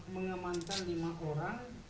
mengemantan lima orang